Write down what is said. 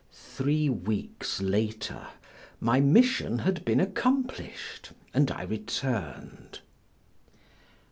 Three weeks later my mission had been accomplished and I returned.